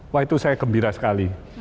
wah itu saya gembira sekali